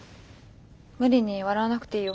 無理に笑わなくていいよ。